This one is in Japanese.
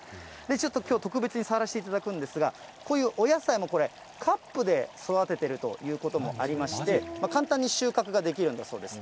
ちょっときょう、特別に触らせていただくんですが、こういうお野菜も、これ、カップで育ててるということもありまして、簡単に収穫ができるんだそうです。